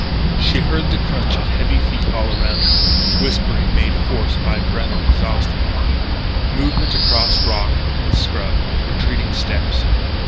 She heard the crunching of heavy feet all around her, whispering made hoarse by breath exhausted, movement across rock and scrub, retreating steps.